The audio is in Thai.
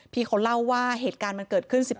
พี่เขาเล่าว่าเหตุการณ์มันเกิดขึ้น